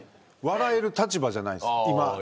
笑える立場じゃないです、今。